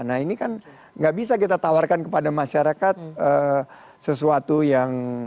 nah ini kan nggak bisa kita tawarkan kepada masyarakat sesuatu yang